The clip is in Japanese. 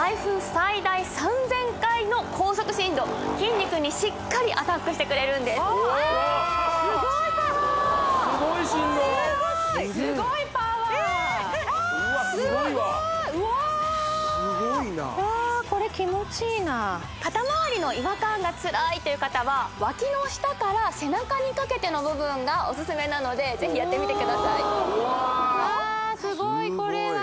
最大３０００回の高速振動筋肉にしっかりアタックしてくれるんですわあすごいパワーすごい振動すごいすごいパワーすごいうわあすごいな肩まわりの違和感がツラいという方は脇の下から背中にかけての部分がおすすめなのでぜひやってみてくださいえっ